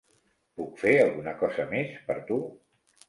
Puc fer alguna cosa més per tu?